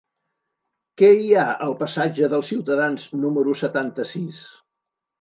Què hi ha al passatge dels Ciutadans número setanta-sis?